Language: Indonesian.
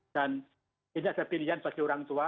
dan ini ada pilihan bagi orang tua